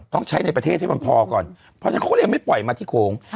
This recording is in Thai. ต้องใช้ในประเทศให้มันพอก่อนเพราะฉะนั้นเขาก็เลยไม่ปล่อยมาที่โขง